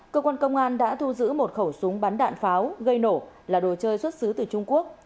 cơ quan công an đã thu giữ một khẩu súng bắn đạn pháo gây nổ là đồ chơi xuất xứ từ trung quốc